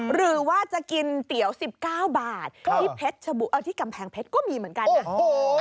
หรือว่าจะกินเตี๋ยว๑๙บาทที่กำแพงเพชรก็มีเหมือนกันนะ